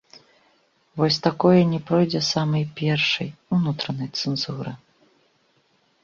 Вось такое не пройдзе самай першай, унутранай, цэнзуры.